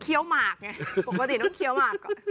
แก้ปัญหาผมร่วงล้านบาท